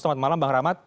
selamat malam bang rahmat